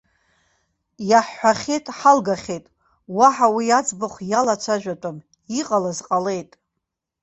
Иаҳҳәахьеит, ҳалгахьеит, уаҳа уи аӡбахә иалацәажәатәым, иҟалаз ҟалеит.